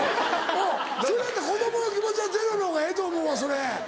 それだったら子供の気持ちはゼロのほうがええと思うわそれ。